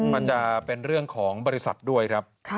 มันจะเป็นเรื่องของบริษัทด้วยครับ